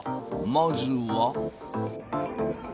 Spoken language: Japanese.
まずは］